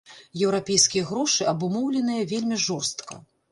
Еўрапейскія грошы абумоўленыя вельмі жорстка.